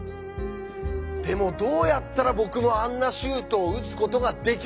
でもどうやったら僕もあんなシュートを打つことができるのか。